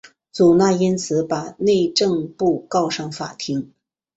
祖纳因此把内政部告上法庭。